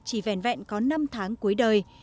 chỉ vẹn vẹn có năm tháng cuối đời